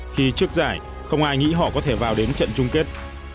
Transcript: khi trước giải không ai nghĩ họ có thể vào đến trận chung kết